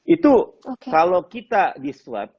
itu kalau kita di swab